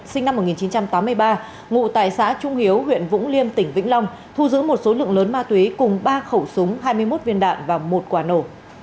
sinh năm một nghìn chín trăm tám mươi ba ngụ tại xã trung hiếu huyện vũng liêm tỉnh vĩnh long thu giữ một số lượng lớn ma túy cùng ba khẩu súng hai mươi một viên đạn và một quả nổ